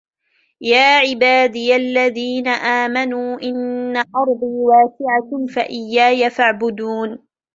يا عبادي الذين آمنوا إن أرضي واسعة فإياي فاعبدون